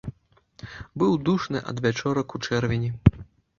Быў душны адвячорак у чэрвені.